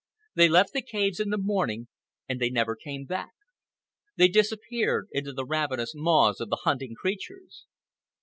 They left the caves in the morning, and they never came back. They disappeared—into the ravenous maws of the hunting creatures.